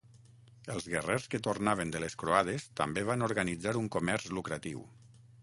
Els guerrers que tornaven de les croades, també van organitzar un comerç lucratiu.